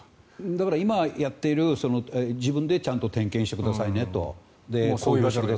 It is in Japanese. だから今、やっている自分でちゃんと点検してくださいねと。